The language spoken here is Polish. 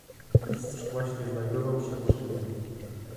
"Mistrz właśnie znajdował się przy niem."